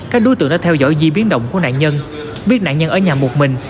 các đối tượng đã theo dõi di biến động của nạn nhân biết nạn nhân ở nhà một mình